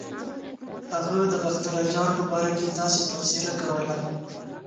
هغه د باختر اجان په باره کې داسې تبصره کوله.